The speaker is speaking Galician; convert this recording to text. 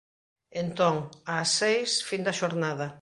Entón: ás seis, fin da xornada.